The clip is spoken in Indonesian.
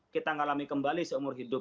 kita ngalami kembali seumur hidup